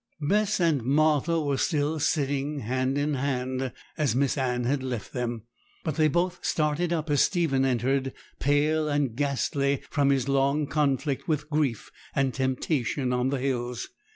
Bess and Martha were still sitting hand in hand as Miss Anne had left them; but they both started up as Stephen entered, pale and ghastly from his long conflict with grief and temptation on the hills.